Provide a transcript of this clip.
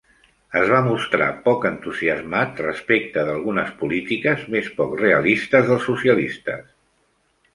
Es va mostrar poc entusiasmat respecte d'algunes polítiques més poc realistes dels socialistes.